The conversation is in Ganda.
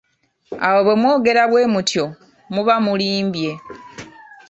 Awo bwe mwogera bwemutyo muba mulimbye.